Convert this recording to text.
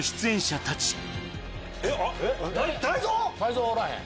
泰造おらへん。